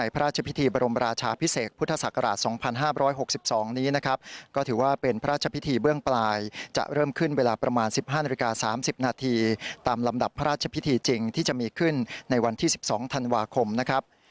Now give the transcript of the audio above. ประมาณ๑๕นาที๓๐นาทีตามลำดับพระราชพิธีจริงที่จะมีขึ้นในวันที่๑๒ธันวาคมนะครับ